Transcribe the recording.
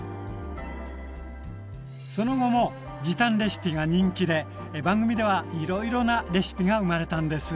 その後も時短レシピが人気で番組ではいろいろなレシピが生まれたんです。